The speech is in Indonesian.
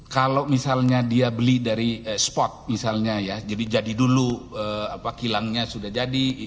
kalau misalnya dia beli dari spot misalnya ya jadi jadi dulu kilangnya sudah jadi